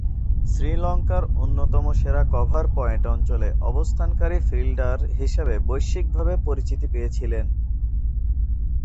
শ্রীলঙ্কার অন্যতম সেরা কভার পয়েন্ট অঞ্চলে অবস্থানকারী ফিল্ডার হিসেবে বৈশ্বিকভাবে পরিচিতি পেয়েছিলেন।